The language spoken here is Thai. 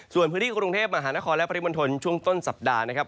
ส่วนพื้นที่กรุงเทพมหานครและปริมณฑลช่วงต้นสัปดาห์นะครับ